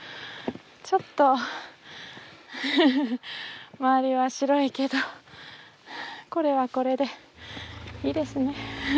ちょっと周りは白いけどこれはこれでいいですね。